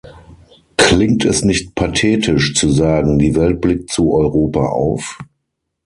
Klingt es nicht pathetisch zu sagen "die Welt blickt zu Europa auf "?